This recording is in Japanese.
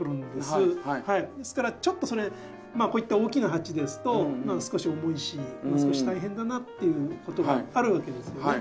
ですからちょっとそれこういった大きな鉢ですと少し重いし少し大変だなっていうことがあるわけですよね。